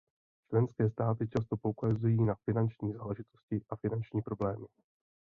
Členské státy často poukazují na finanční záležitosti a finanční problémy.